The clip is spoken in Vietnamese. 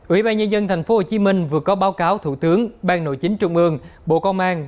ủy ban nhân dân tp hcm vừa có báo cáo thủ tướng ban nội chính trung ương bộ công an